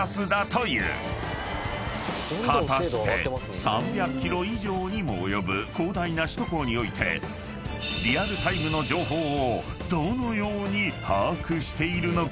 ［果たして３００ｋｍ以上にも及ぶ広大な首都高においてリアルタイムの情報をどのように把握しているのか？］